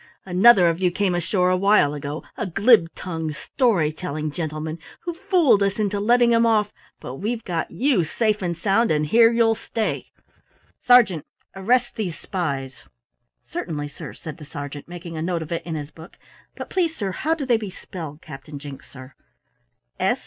Another of you came ashore a while ago a glib tongued, story telling gentleman who fooled us into letting him off, but we've got you safe and sound and here you'll stay! Sergeant, arrest these spies!" "Certainly, sir," said the sergeant, making a note of it in his book, "but please, sir, how do they be spelled, Captain Jinks, sir?"